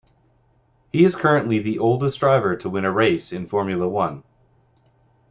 He is currently the oldest driver to win a race in Formula One.